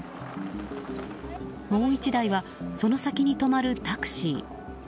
もう１台はその先に止まるタクシー。